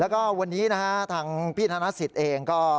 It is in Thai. แล้วก็วันนี้ทางพี่ธนสิตเอง